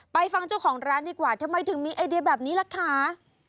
ฟังเจ้าของร้านดีกว่าทำไมถึงมีไอเดียแบบนี้ล่ะคะ